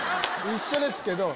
一緒ですけど。